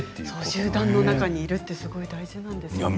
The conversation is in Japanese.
集団の中にいるってすごいんですね。